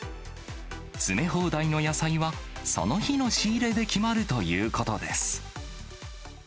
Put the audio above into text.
詰め放題の野菜は、その日の仕入れで決まるということです。